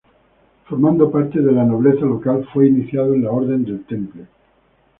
Formando parte de la nobleza local, fue iniciado en la Orden del Temple.